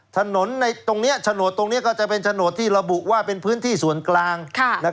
ถนนในตรงนี้โฉนดตรงนี้ก็จะเป็นโฉนดที่ระบุว่าเป็นพื้นที่ส่วนกลาง